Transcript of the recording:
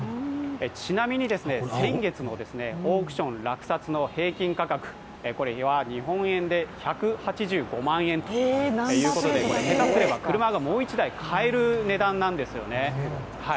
ちなみに、先月のオークション落札平均価格は日本円で１８５万円ということで下手すれば車がもう１台買える値段なんですよね。